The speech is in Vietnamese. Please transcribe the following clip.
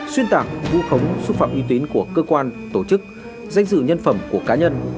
xuyên tạc vu khống xúc phạm uy tín của cơ quan tổ chức danh dự nhân phẩm của cá nhân